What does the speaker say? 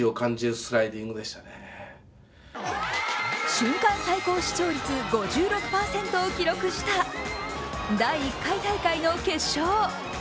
瞬間最高視聴率５６％を記録した、第１回大会の決勝。